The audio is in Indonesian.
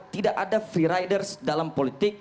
tidak ada free riders dalam politik